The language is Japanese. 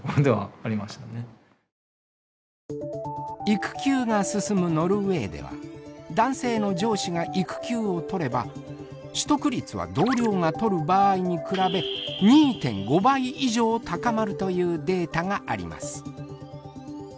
育休取得が進むノルウェーでは男性の上司が育休を取れば取得率は同僚が取る場合に比べ２．５倍以上高まるというデータがあります。